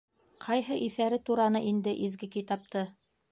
Ҡайһы иҫәре тураны инде изге китапты?